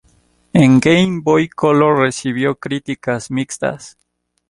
En Game Boy Color recibió críticas mixtas.